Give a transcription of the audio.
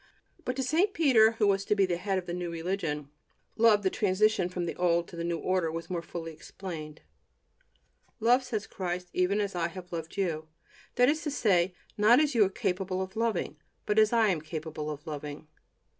But to St. Peter, who was to be the head of the new religion, love the transition from the old to the new order was more fully explained: "Love," said Christ, "even as I have loved you," that is to say, not as you are capable of loving, but as I am capable of loving.